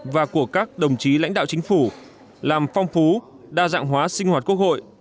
và của các đồng chí lãnh đạo chính phủ làm phong phú đa dạng hóa sinh hoạt quốc hội